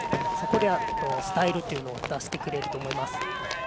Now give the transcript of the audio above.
そこで、スタイルを出してくれると思います。